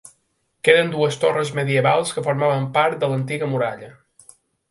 Queden dues torres medievals que formaven part de l'antiga muralla.